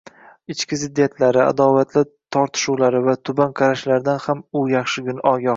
ichki ziddiyatlari, adovatli tortishuvlari va tuban qarashlaridan ham u yaxshi ogoh.